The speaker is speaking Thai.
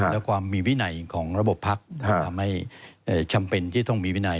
และความมีวินัยของระบบภักดิ์ทำให้จำเป็นที่ต้องมีวินัย